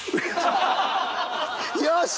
よし！